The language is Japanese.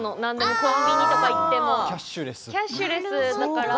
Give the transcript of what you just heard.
コンビニとかに行ってもキャッシュレスだから。